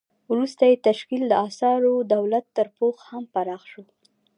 وروسته یې تشکیل د استعماري دولت تر پوځ هم پراخ شو.